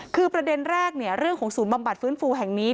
คือประเด็นแรกเรื่องของศูนย์บำบัดฟื้นฟูแห่งนี้